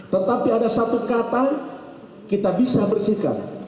tetapi ada satu kata kita bisa bersihkan